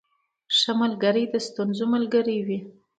• ښه ملګری د ستونزو ملګری وي.